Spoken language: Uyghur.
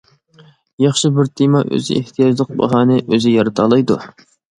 ياخشى بىر تېما ئۆزى ئېھتىياجلىق باھانى ئۆزى يارىتالايدۇ.